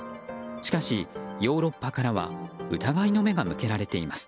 しかし、ヨーロッパからは疑いの目が向けられています。